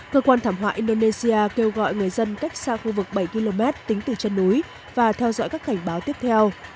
cơ quan thảm họa indonesia kêu gọi người dân cách xa khu vực bảy km tính từ chân núi và theo dõi các cảnh báo tiếp theo